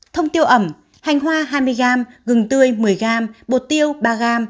thông tiêu ẩm hành hoa hai mươi g gừng tươi một mươi g bột tiêu ba g